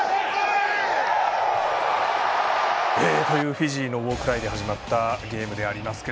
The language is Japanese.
フィジーのウォークライで始まったゲームでありますが。